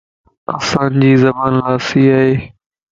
اسان جي زبان لاسيَ